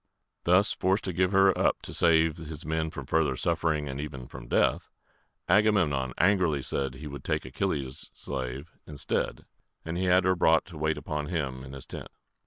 Thus forced to give her up to save his men from further suffering and even from death, Agamemnon angrily said he would take Achilles' slave instead, and he had her brought to wait upon him in his tent.